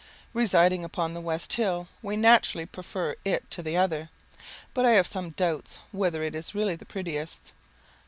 Residing upon the west hill, we naturally prefer it to the other, but I have some doubts whether it is really the prettiest.